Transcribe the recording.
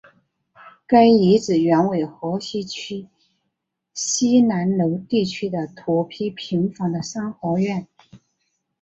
该遗址原为河西区西南楼地区的土坯平房的三合院。